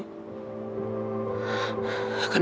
akan aku lakukan